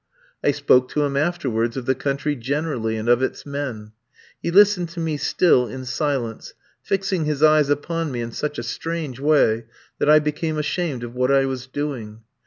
I spoke to him afterwards of the country generally, and of its men. He listened to me still in silence, fixing his eyes upon me in such a strange way that I became ashamed of what I was doing.